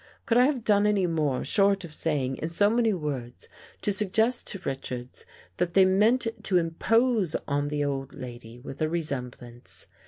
Could I have done any more, short of saying it in so many words, to sug 102 AN EVEN BREAK gest to Richards that they meant to impose on the old lady with a resemblance?